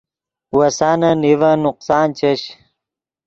وسانے نیڤن نقصان چش